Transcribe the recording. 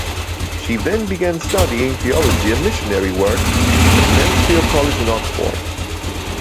She then began studying theology and missionary work at Mansfield College in Oxford.